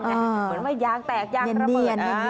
เหมือนว่ายางแตกยางระเบิด